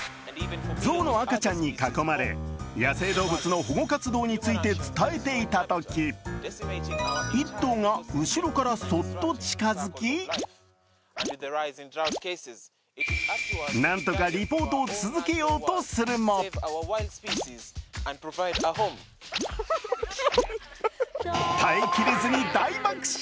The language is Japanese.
象の赤ちゃんに囲まれ野生動物の保護活動について伝えていたとき、１頭が後ろから、そっと近づきなんとかリポートを続けようとするも耐えきれずに大爆笑。